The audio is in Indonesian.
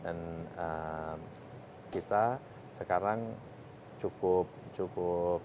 dan kita sekarang cukup senang dengan